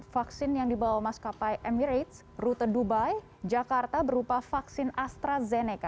vaksin yang dibawa maskapai emirates rute dubai jakarta berupa vaksin astrazeneca